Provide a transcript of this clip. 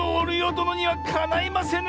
どのにはかないませぬ！